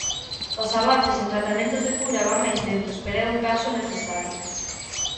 Os avances en tratamentos de cura van máis lentos pero é un paso necesario.